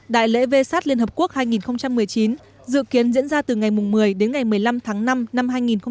đại lễ v sat liên hợp quốc hai nghìn một mươi chín dự kiến diễn ra từ ngày một mươi đến ngày một mươi năm tháng năm năm hai nghìn một mươi chín